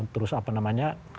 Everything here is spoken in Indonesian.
terus apa namanya